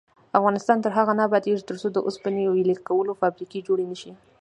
افغانستان تر هغو نه ابادیږي، ترڅو د اوسپنې ویلې کولو فابریکې جوړې نشي.